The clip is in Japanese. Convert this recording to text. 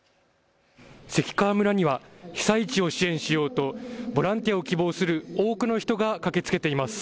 関川村には被災地を支援しようとボランティアを希望する多くの人が駆けつけています。